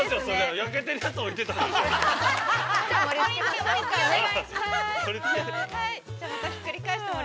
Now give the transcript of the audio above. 焼けているやつを置いてんだから！